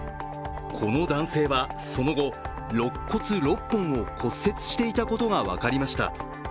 この男性はその後、ろっ骨６本を骨折していたことが分かりました。